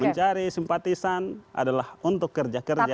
mencari simpatisan adalah untuk kerja kerja